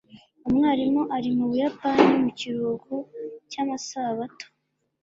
umwarimu ari mu buyapani mu kiruhuko cyamasabato